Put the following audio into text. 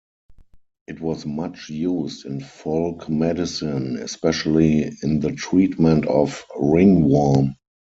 It was much used in folk medicine, especially in the treatment of ringworm.